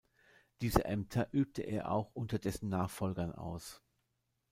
Diese Ämter übte er auch unter dessen Nachfolgern aus.